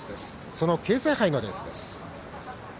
その京成杯のレースです。